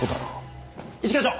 一課長！